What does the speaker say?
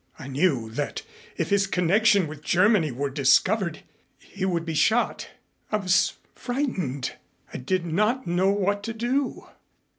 I knew that if his connection with Germany were discovered he would be shot. I was frightened. I did not know what to do.